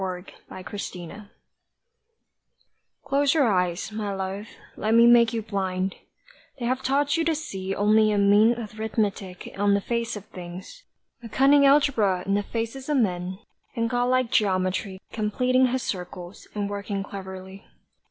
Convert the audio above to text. A SPIRITUAL WOMAN CLOSE your eyes, my love, let me make you blind; They have taught you to see Only a mean arithmetic on the face of things, A cunning algebra in the faces of men, And God like geometry Completing his circles, and working cleverly.